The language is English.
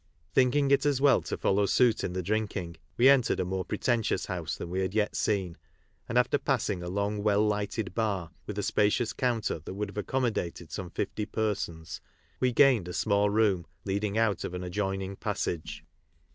Thinking it as well to follow suit in the drinking, we entered a more pretentious house than we had yet seen, and after pass ing a long well lighted bar, with a spacious counter that would have accommodated some fifty persons we gained a small room leading out of an adjoining passage.